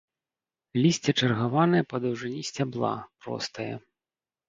Лісце чаргаванае па даўжыні сцябла, простае.